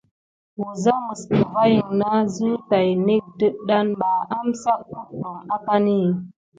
Wəza məs kəvayiŋ na zəw tay nék dəɗəne ɓa, amsak aɗum akani.